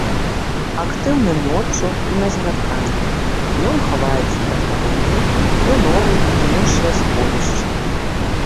Актыўны ноччу і на змярканні, днём хаваецца пад камяні, у норы і іншыя сховішчы.